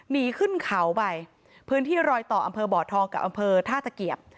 หนีขึ้นเขาไปพื้นที่รอยต่ออำเภอบ่อทองกับอำเภอท่าตะเกียบ